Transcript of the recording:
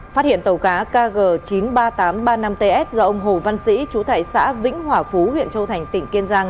phát hiện tàu cá kg chín mươi ba nghìn tám trăm ba mươi năm ts do ông hồ văn sĩ trú tại xã vĩnh hòa phú huyện châu thành tỉnh kiên giang